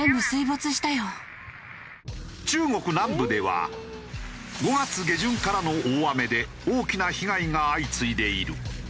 中国南部では５月下旬からの大雨で大きな被害が相次いでいる。